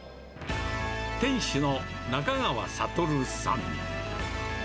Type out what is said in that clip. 店主の中川悟さん。